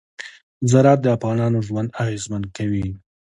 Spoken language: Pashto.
زراعت د افغانانو ژوند اغېزمن کوي.